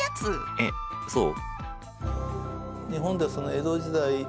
えっそう？